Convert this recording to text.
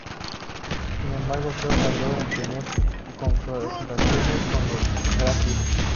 Sin embargo, Geo no tardó en tener confrontaciones con los Gracie.